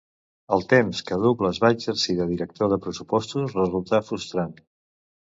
El temps que Douglas va exercir de director de pressupost resultà frustrant.